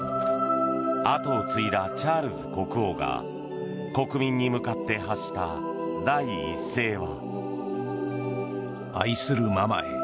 跡を継いだチャールズ国王が国民に向かって発した第一声は。